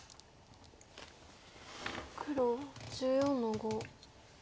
黒１４の五。